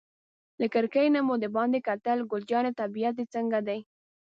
له کړکۍ نه مو دباندې کتل، ګل جانې طبیعت دې څنګه دی؟